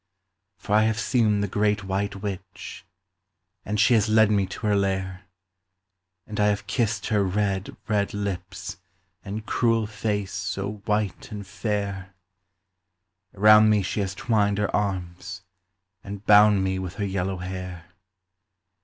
For I have seen the great white witch, And she has led me to her lair, And I have kissed her red, red lips And cruel face so white and fair; Around me she has twined her arms, And bound me with her yellow hair.